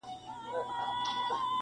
o ښخ کړﺉ هدیره کي ما د هغو مېړنو تر څنګ,